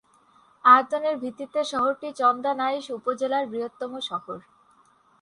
আয়তনের ভিত্তিতে শহরটি চন্দনাইশ উপজেলার বৃহত্তম শহর।